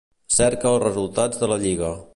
Cerca els resultats de la Lliga.